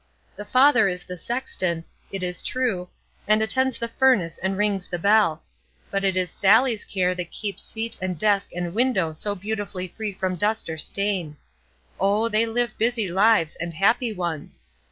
The father is the sexton, it is true, and attends the furnace and rings the bell; but it is Sallie's care that keeps seat and desk and window so beautifully free from dust or stain. Oh, they live busy lives, and happy ones.